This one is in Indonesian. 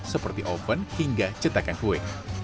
seperti oven hingga cetakan kue